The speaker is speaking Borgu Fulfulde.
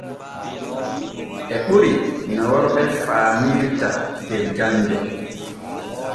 E ɓuri no worɓe faamirta der jande.